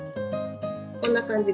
こんな感じで。